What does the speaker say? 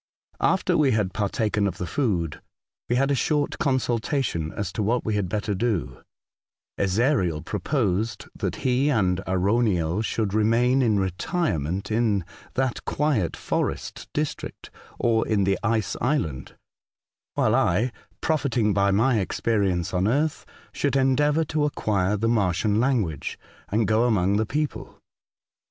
After we had partaken of the food, we had a short consultation as to what we had better do, Ezariel proposed that he and Arauniel should remain in retirement in that quiet forest district, or in the Ice Island, while I, profiting by my experience on earth, should endeavour to acquire the Martian language, and go among the people.